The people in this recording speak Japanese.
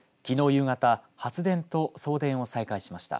夕方、発電と送電を再開しました。